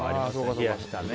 冷やしたね。